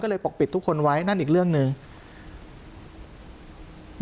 ก็เลยจะปกปิดทุกคนไว้แล้วง่ายนี่อื่นอีกเรื่องต่อไป